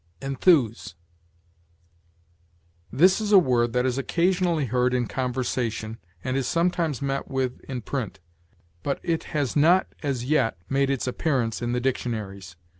ENTHUSE. This is a word that is occasionally heard in conversation, and is sometimes met with in print; but it has not as yet made its appearance in the dictionaries.